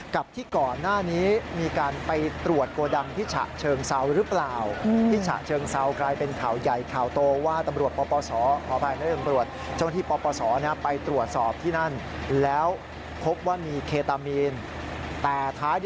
กับที่ก่อนหน้านี้มีการไปตรวจโกดังที่ฉะเชิงเซาหรือเปล่า